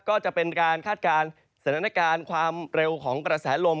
ก็จะเป็นการคาดการณ์สถานการณ์ความเร็วของกระแสลม